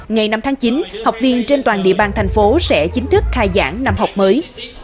ngày năm tháng chín học viên trên toàn địa bàn thành phố sẽ chính thức khai giảng năm học mới